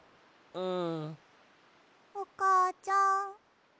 うん。